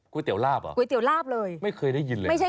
ก๋วยเตี๋ยวลาบเหรอ